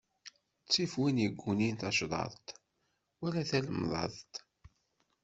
Ttif win iggunin tacḍaḍt, wala talemḍaḍt.